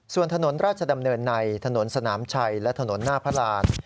ส่วนถนนราชดำเนินในถนนสนามชัยและถนนหน้าพระราน